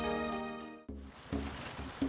aceh dikenal sebagai tempat dimulai